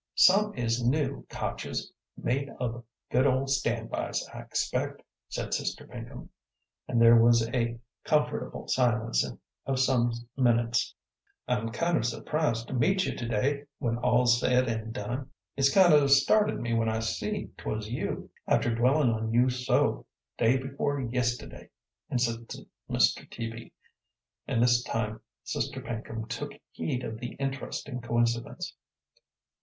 "Some is new cotches made o' the good old stand bys, I expect," said Sister Pink ham, and there was a comfortable silence of some minutes. "I'm kind of surprised to meet with you to day, when all's said an' done; it kind of started me when I see 't was you, after dwellin' on you so day before yisterday," insisted Mr. Teaby; and this time Sister Pinkham took heed of the interesting coincidence.